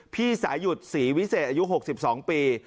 พี่สายุทธ์ศรีวิเศษอายุ๖๒ปี